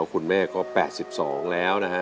คุณแม่ก็๘๒แล้วนะฮะ